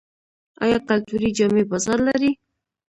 آیا کلتوري جامې بازار لري؟